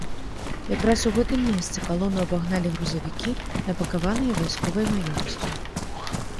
Якраз у гэтым месцы калону абагналі грузавікі, напакаваныя вайсковай маёмасцю.